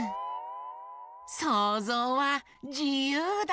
そうぞうはじゆうだ！